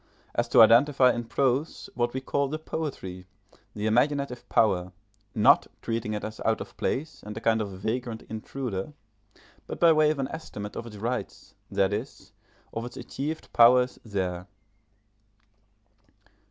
as to identify in prose what we call the poetry, the imaginative power, not treating it as out of place and a kind of vagrant intruder, but by way of an estimate of its rights, that is, of its achieved powers, there.